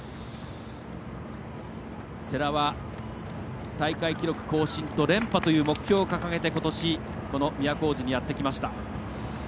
世羅は、大会記録更新と連覇という目標を掲げてことし、この都大路にやってきました。